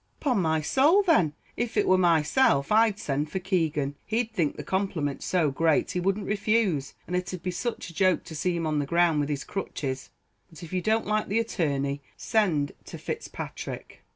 "Upon my soul, then, if it were myself, I'd send for Keegan. He'd think the compliment so great, he wouldn't refuse, and it'd be such a joke to see him on the ground with his crutches. But if you don't like the attorney, send to Fitzpatrick."